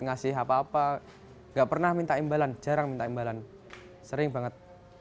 ngasih apa apa enggak pernah minta imbalan jarang minta imbalan sering banget